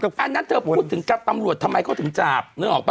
เอานั้นสิพูดถึงกับตำรวจทำไมเขาถึงจับ